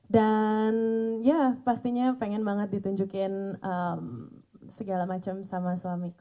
dan ya pastinya pengen banget ditunjukin segala macem sama suamiku